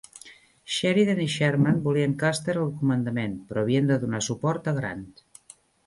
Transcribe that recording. Sheridan i Sherman volien Custer al comandament però havien de donar suport a Grant.